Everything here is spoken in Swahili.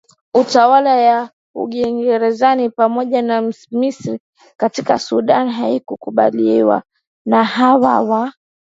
utawala ya uingereza pamoja na misri katika sudan haikukuubaliwa na hawa wa